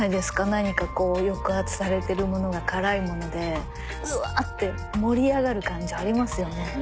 何か抑圧されてるものが辛いものでうわって盛り上がる感じありますよね。